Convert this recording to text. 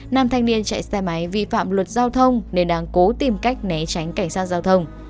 nam thanh niên chạy xe máy vi phạm luật giao thông nên đang cố tìm cách né tránh cảnh sát giao thông